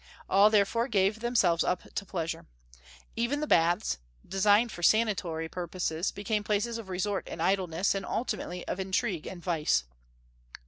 All therefore gave themselves up to pleasure. Even the baths, designed for sanatory purposes, became places of resort and idleness, and ultimately of intrigue and vice.